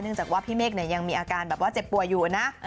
จากว่าพี่เมฆยังมีอาการแบบว่าเจ็บป่วยอยู่นะ